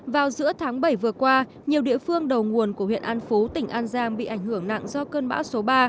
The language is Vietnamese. vào giữa tháng bảy vừa qua nhiều địa phương đầu nguồn của huyện an phú tỉnh an giang bị ảnh hưởng nặng do cơn bão số ba